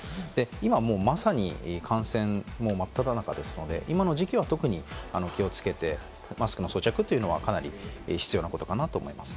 今まさに感染真っ只中ですので、今の時期は特に気をつけて、マスクの装着というのは、かなり必要なことかなと思います。